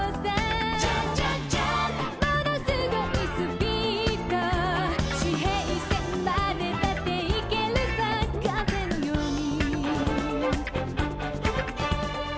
ものすごいスピード」「地平線までだっていけるさ風のように」